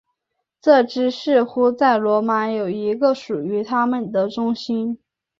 这支似乎在罗马有一个属于他们的中心。